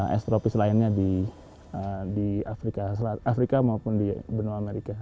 es tropis lainnya di afrika selatan afrika maupun di benua amerika